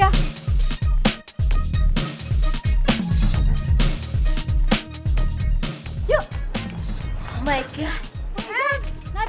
ya allah loh ini anak